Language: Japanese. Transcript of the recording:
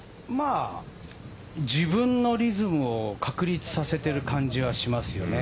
自分のリズムを確立させている感じはしますよね。